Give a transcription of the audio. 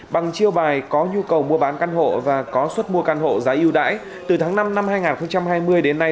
bằng chiêu bài có nhu cầu mua bán căn hộ và có suất mua căn hộ giá yêu đãi từ tháng năm năm hai nghìn hai mươi đến nay